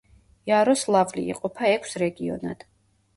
იაროსლავლი იყოფა ექვს რეგიონად.